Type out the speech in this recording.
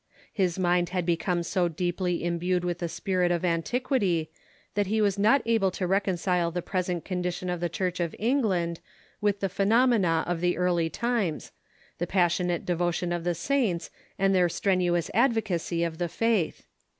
His mind had become so deeply imbued with the spirit of an tiquity that he was not able to reconcile the present condition of the Church of England with the phenomena of the early times — the passionate devotion of the saints, and their strenuous advocacy of the faith.